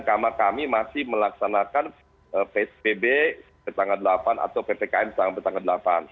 karena kami masih melaksanakan pbb setelah tanggal delapan atau ptkm setelah tanggal delapan